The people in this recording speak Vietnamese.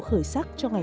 khởi sắc cho ngày